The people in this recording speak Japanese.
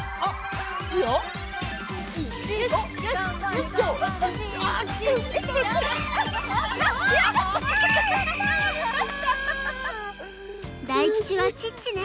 よい大吉はチッチね